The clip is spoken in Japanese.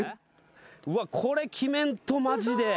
うわっこれ決めんとマジで。